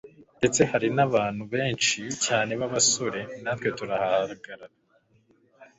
ndetse hari nabantu benshi cyane babasore, natwe turahagarara